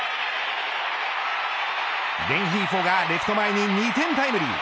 レンヒーフォがレフト前に２点タイムリー。